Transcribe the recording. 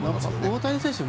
大谷選手